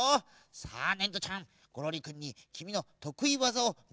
さあねんどちゃんゴロリくんにきみのとくいわざをみせてあげてください！